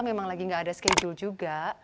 memang lagi nggak ada schedule juga